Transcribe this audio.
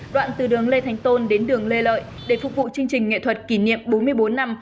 đoạn từ đường lê thành tôn đến đường lê lợi để phục vụ chương trình nghệ thuật kỷ niệm bốn mươi bốn năm